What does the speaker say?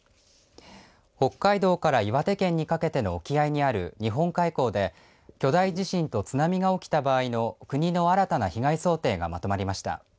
北海道から岩手県にかけての沖合にある日本海溝で巨大地震と津波が起きた場合の国の新たな被害想定がまとまりました。